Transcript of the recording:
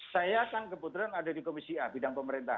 saya kan kebetulan ada di komisi a bidang pemerintah